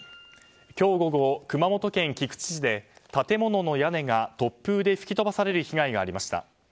今日午後、熊本県菊池市で建物の屋根が突風で吹き飛ばされる被害がありました。